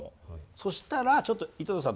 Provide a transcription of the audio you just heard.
そしたらちょっと井戸田さん